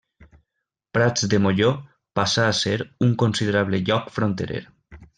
Prats de Molló passà a ser un considerable lloc fronterer.